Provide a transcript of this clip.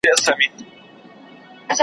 دوی به م زمونږشانې ټوله شپه ستوري شمارل؟